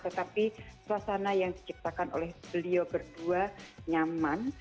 tetapi suasana yang diciptakan oleh beliau berdua nyaman